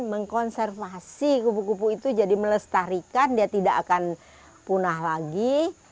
mengkonservasi kupu kupu itu jadi melestarikan dia tidak akan punah lagi